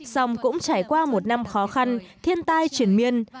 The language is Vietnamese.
xong cũng trải qua một năm khó khăn thiên tai triển miên